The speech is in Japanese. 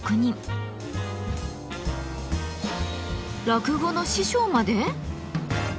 落語の師匠まで？